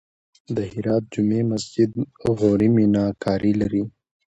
د هرات جمعې مسجد د غوري میناکاري لري